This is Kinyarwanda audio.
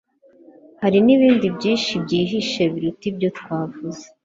hari n'ibindi byinshi byihishe biruta ibyo twavuze